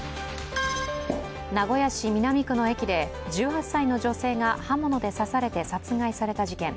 名古屋市南区の駅で１８歳の女性が刃物で刺されて殺害された事件。